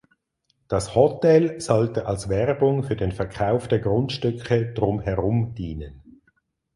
Das Hotel sollte als Werbung für den Verkauf der Grundstücke drumherum dienen.